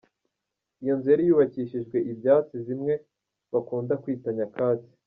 Iyo nzu yari yubakishijwe ibyatsi, zimwe bakunda kwita “Nyakatsi.